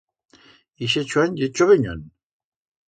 Ixe Chuan ye chovenyón?